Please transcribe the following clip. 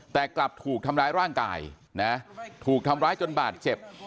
แต่กลับถูกทำร้ายร่างกายนะถูกทำร้ายจนบาดเจ็บ